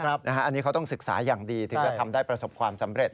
อันนี้เขาต้องศึกษาอย่างดีถึงจะทำได้ประสบความสำเร็จ